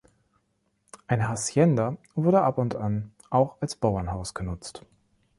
Eine Hacienda wurde ab und an auch als Bauernhaus genutzt.